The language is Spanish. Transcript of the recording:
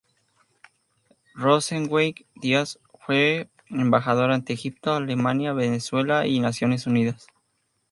Rosenzweig-Díaz fue embajador ante Egipto, Alemania, Venezuela y Naciones Unidas.